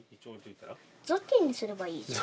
雑巾にすればいいじゃん。